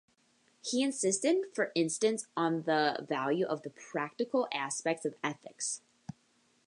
He insisted, for instance, on the value of the practical aspects of ethics.